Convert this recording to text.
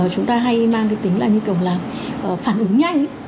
chúng ta hay mang cái tính là như kiểu là phản ứng nhanh